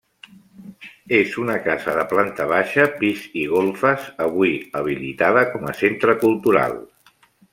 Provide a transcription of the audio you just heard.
És una casa de planta baixa pis i golfes, avui habilitada com a centre cultural.